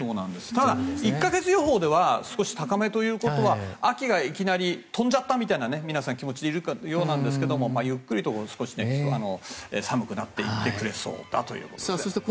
ただ、１か月予報では少し高めということは秋がいきなり飛んじゃったみたいな気持ちでいるようなんですがゆっくりと少しずつ寒くなっていってくれそうだということですね。